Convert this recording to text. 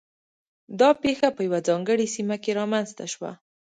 دا پېښه په یوه ځانګړې سیمه کې رامنځته شوه